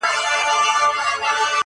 په خپل زړه کي د مرګې پر کور مېلمه سو!!